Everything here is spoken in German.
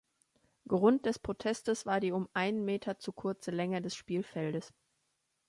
Grund des Protestes war die um einen Meter zu kurze Länge des Spielfeldes.